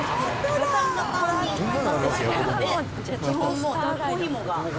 がたがたになってしまうので、基本だっこひもが。